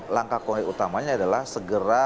langkah konkret utamanya adalah segera